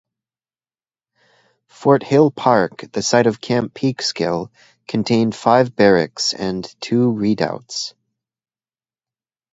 Fort Hill Park, the site of Camp Peekskill, contained five barracks and two redoubts.